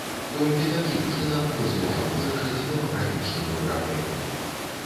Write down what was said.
Толькі такім чынам мы зможам вырашыць дэмаграфічную праблему.